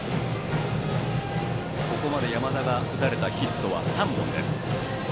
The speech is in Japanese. ここまで山田が打たれたヒットは３本です。